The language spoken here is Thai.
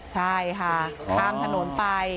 ใช่ค่ะข้ามถนนไป